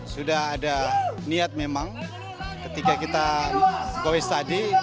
sudah ada niat memang ketika kita go west tadi